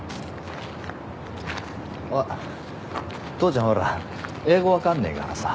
あっ父ちゃんほら英語分かんねえからさ。